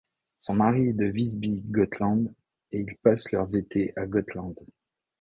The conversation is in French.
Son mari est de Visby, Gotland, et ils passent leurs étés à Gotland.